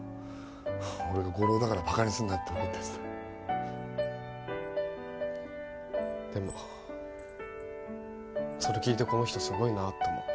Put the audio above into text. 俺が５浪だからバカにするなって怒ったやつだでもそれ聞いてこの人すごいなって思った